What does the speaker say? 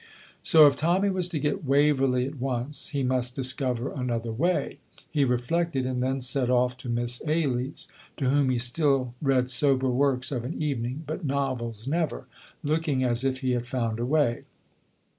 So if Tommy was to get "Waverley" at once, he must discover another way. He reflected, and then set off to Miss Ailie's (to whom he still read sober works of an evening, but novels never), looking as if he had found a way.